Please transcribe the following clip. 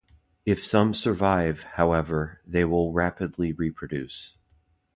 If some survive, however, they will rapidly reproduce.